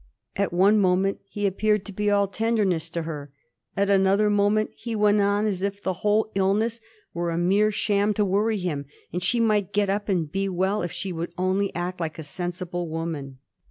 At one moment he appeared to be all tender 118 A HISTORY OF THJB FOUR GEORGES. ch.xxiz. ness to her, at another moment he went on as if the whole illness were a mere sham to worry bim, and she might get up and be well if she would only act like a sensible woman.